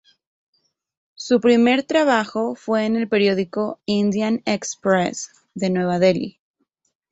Su primer trabajo fue en el periódico "Indian Express" de Nueva Delhi.